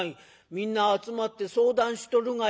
みんな集まって相談しとるがや。